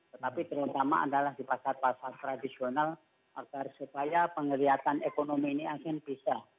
tetapi terutama adalah di pasar pasar tradisional agar supaya penglihatan ekonomi ini akan bisa